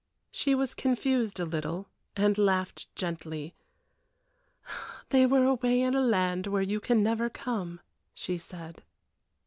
She was confused a little, and laughed gently. "They were away in a land where you can never come," she said.